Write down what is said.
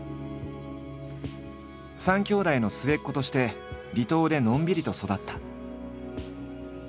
３きょうだいの末っ子として離島でのんびりと育った。